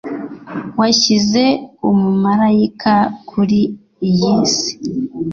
washyize umumarayika kuri iyi si